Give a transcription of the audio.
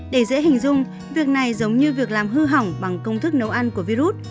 để dễ hình dung việc này giống như việc làm hư hỏng bằng công thức nấu ăn của virus